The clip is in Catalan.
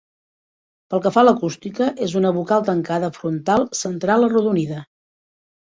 Pel que fa a l'acústica, és una "vocal tancada frontal central arrodonida".